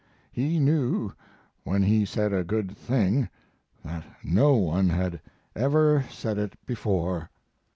He knew when he said a good thing that no one had ever said it before.